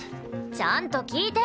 ちゃんと聞いて！